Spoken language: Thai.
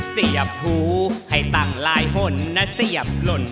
เสียบหูให้ตั้งลายหนนะเสียบหล่น